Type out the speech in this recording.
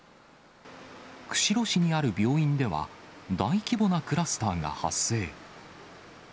釧路市にある病院では、大規模なクラスターが発生。